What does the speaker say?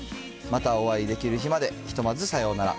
またお会いできる日まで、ひとまずさようなら。